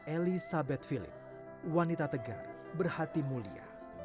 elizabeth philip wanita tegar berhati mulia